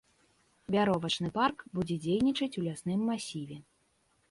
Вяровачны парк будзе дзейнічаць у лясным масіве.